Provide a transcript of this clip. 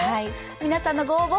皆さんのご応募